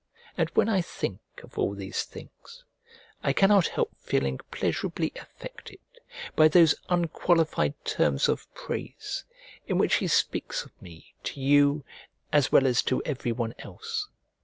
And when I think of all these things, I cannot help feeling pleasurably affected by those unqualified terms of praise in which he speaks of me to you as well as to everyone else.